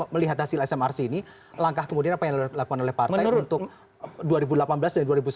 melihat hasil smrc ini langkah kemudian apa yang dilakukan oleh partai untuk dua ribu delapan belas dan dua ribu sembilan belas